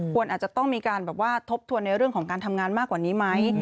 อาจจะต้องมีการแบบว่าทบทวนในเรื่องของการทำงานมากกว่านี้ไหม